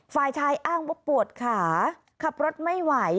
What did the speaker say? ฝ่ายชายอ้างว่าปวดขาขับรถไม่ไหว